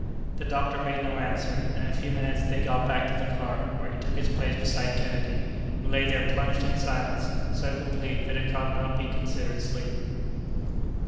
The doctor made no answer, and in a few minutes they got back to the car, where he took his place beside Kennedy, who lay there plunged in silence so complete that it could not be considered sleep.